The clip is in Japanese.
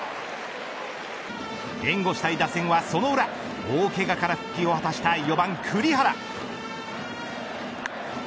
援護したい打線は、その裏大けがから復帰を果たした４番栗原。